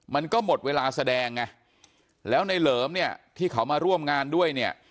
มันก็หมดเวลาแสดงไงแล้วในเหลิมเนี่ยที่เขามาร่วมงานด้วยเนี่ย